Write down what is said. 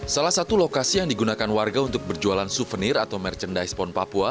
salah satu lokasi yang digunakan warga untuk berjualan souvenir atau merchandise pond papua